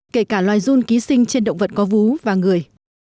kể cả loài dun ký sinh trên động vật có vú và người